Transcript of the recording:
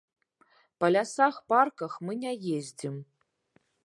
Па лясах-парках мы не ездзім.